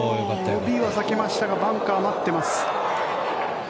ＯＢは避けましたがバンカー、待ってます。